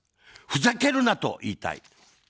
ふざけるな、と言いたい。